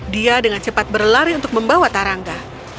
dia dengan cepat berlari untuk membawa tarangga